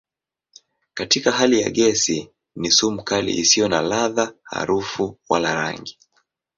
Katika hali ya gesi ni sumu kali isiyo na ladha, harufu wala rangi.